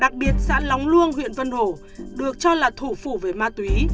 đặc biệt xã lóng luông huyện vân hồ được cho là thủ phủ về ma túy